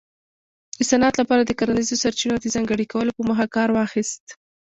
د صنعت لپاره د کرنیزو سرچینو د ځانګړي کولو په موخه کار واخیست